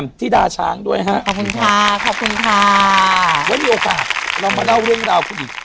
แล้วนี้โอกาสเรามาเล่าเรื่องราวของคุณอีก